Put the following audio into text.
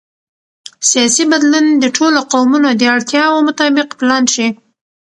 سیاسي بدلون د ټولو قومونو د اړتیاوو مطابق پلان شي